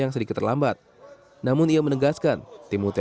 menyampaikan terima kasih kepada bgp indonesia